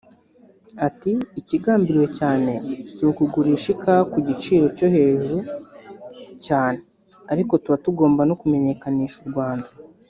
Ati” Ikigambiriwe cyane si ukugurisha ikawa ku giciro cyo hejuru cyane ariko tuba tugomba no kumenyekanisha u Rwanda